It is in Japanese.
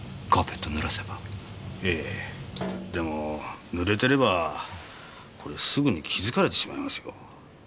ええでも濡れてればすぐに気づかれてしまいますよ。